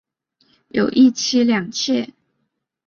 有一妻两妾。